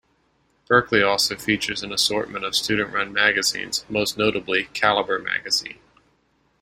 Berkeley also features an assortment of student-run magazines, most notably Caliber Magazine.